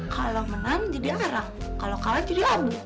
kalau menang jadi arah kalau kalah jadi abu